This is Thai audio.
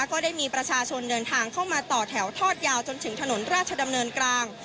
ก็ได้มีประชาชนเดินทางเข้ามาต่อแถวทอดยาวจนถึงถนนราชดำเนินกลาง